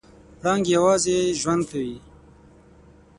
پړانګ یوازې ژوند کوي.